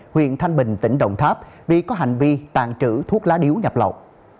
huyện thanh bình tỉnh đồng tháp vì có hành vi tàn trữ thuốc lá điếu nhập lậu